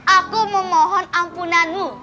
aku memohon ampunanmu